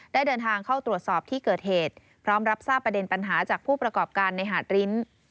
ได้เดินทางเข้าตรวจสอบที่เกิดเหตุพร้อมรับทราบประเด็นปัญหาจากผู้ประกอบการในหาดลิ้น